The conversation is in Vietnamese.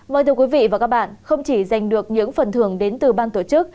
mời thưa quý vị và các bạn không chỉ giành được những phần thưởng đến từ bang tổ chức